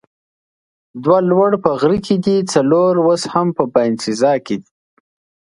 دوه لوړ په غره کې دي، څلور اوس هم په باینسیزا کې دي.